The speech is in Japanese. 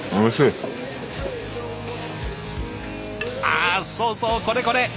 あそうそうこれこれ。